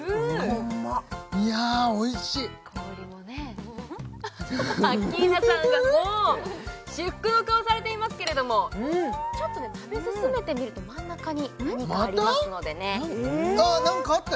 うんまいやおいしい香りもねフフフフアッキーナさんがもう至福の顔されていますけれどもちょっとね食べ進めてみると真ん中に何かありますのでねまた！？